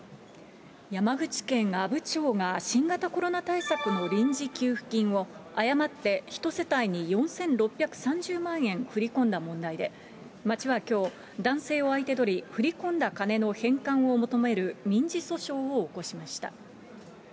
山口県阿武町が新型コロナ対策の臨時給付金を誤って１世帯に４６３０万円振り込んだ問題で、町はきょう、男性を相手取り、振り込んだ金の返還を求める民事訴訟を起こしました。